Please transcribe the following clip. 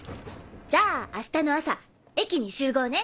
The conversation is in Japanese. じゃあ明日の朝駅に集合ね。